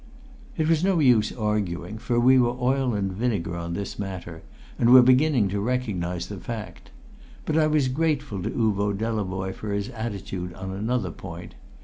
It was no use arguing, for we were oil and vinegar on this matter, and were beginning to recognise the fact. But I was grateful to Uvo Delavoye for his attitude on another point.